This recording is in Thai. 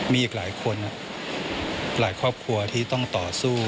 มีอีกหลายคนหลายครอบครัวที่ต้องต่อสู้